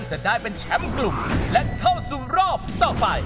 จะได้เป็นแชมป์กลุ่มและเข้าสู่รอบต่อไป